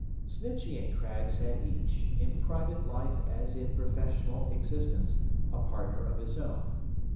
Snitchey and Craggs had each, in private life as in professional existence, a partner of his own.